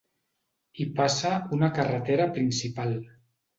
Hi passa una carretera principal.